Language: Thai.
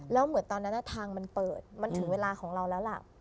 แล้วเหมือนตอนนั้นทางมันเปิดมันถึงเวลาของเราแล้วล่ะ